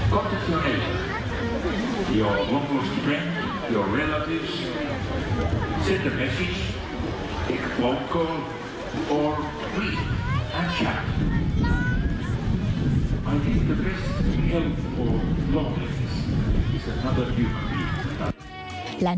กับฝ่าในตัวเกาะทำจงการฝ่าเหล่นขอ